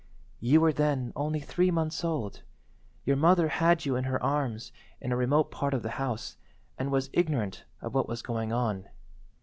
"You were then only three months old. Your mother had you in her arms in a remote part of the house, and was ignorant of what was going on.